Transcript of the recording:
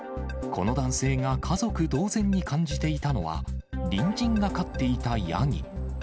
この男性が家族同然に感じていたのは、隣人が飼っていたヤギ。